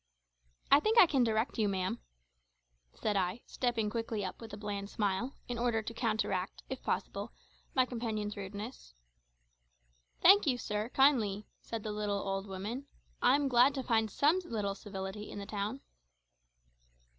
"I think I can direct you, ma'am," said I, stepping quickly up with a bland smile, in order to counteract, if possible, my companion's rudeness. "Thank you, sir, kindly," said the little old woman; "I'm glad to find some little civility in the town."